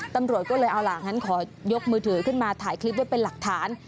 ตำรวจก็เลยเอาล่ะงั้นขอยกมือถือขึ้นมาถ่ายคลิปไว้เป็นหลักฐาน